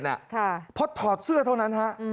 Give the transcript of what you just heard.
เพราะถอดเสื้อเท่านั้นฮะ